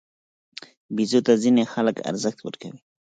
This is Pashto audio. بیزو ته ځینې خلک ارزښت ورکوي.